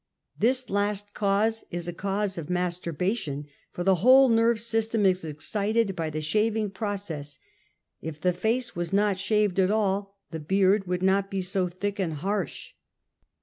This last cause is a cause of mastur bation, for the whole nerve system is excited by the ^shaving process. If the face was not shaved at all, the i3eard would not be so thick and harsh.